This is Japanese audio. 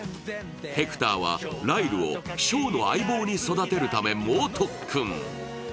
ヘクターはライルをショーの相棒に育てるため猛特訓。